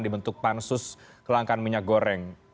dibentuk pansus kelangkan minyak goreng